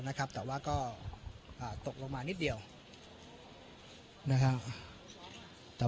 ไม่เป็นไรไม่เป็นไร